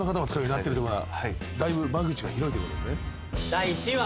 第１位は。